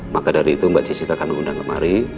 maka dari itu mbak jessica kami undang kemari